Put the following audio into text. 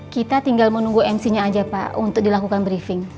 kita tinggal menunggu mc nya aja pak untuk dilakukan briefing